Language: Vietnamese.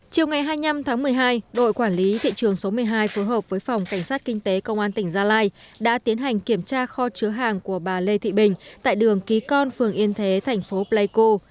chiều ngày hai mươi năm tháng một mươi hai đội quản lý thị trường số một mươi hai phù hợp với phòng cảnh sát kinh tế công an tỉnh gia lai đã tiến hành kiểm tra kho chứa hàng của bà lê thị bình tại đường ký con phường yên thế thành phố pleiko